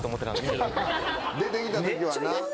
出てきた時はな。